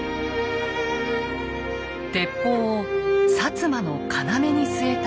鉄砲を摩の要に据えた義久。